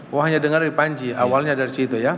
wah hanya dengar dari panji awalnya dari situ ya